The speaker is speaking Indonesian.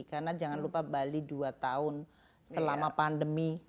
karena jangan lupa bali dua tahun selama pandemi